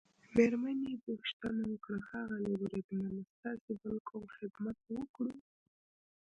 مېرمنې يې پوښتنه وکړه: ښاغلی بریدمنه، ستاسي بل کوم خدمت وکړو؟